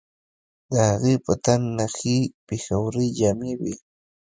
د هغې په تن نخي پېښورۍ جامې وې